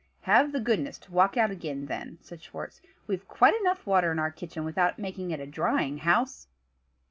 "Have the goodness to walk out again, then," said Schwartz. "We've quite enough water in our kitchen, without making it a drying house."